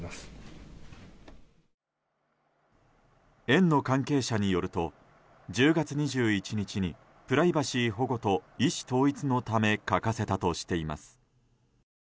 園の関係者によると１０月２１日にプライバシー保護と意思統一のため書かせたとしています。